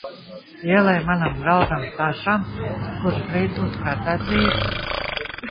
Ielej manam draugam Sašam, kurš drīz būs precēts vīrs!